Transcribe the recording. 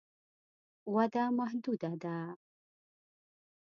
وده محدوده ده.